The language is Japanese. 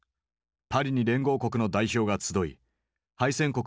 パリに連合国の代表が集い敗戦国